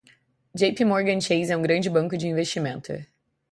JPMorgan Chase é um grande banco de investimento.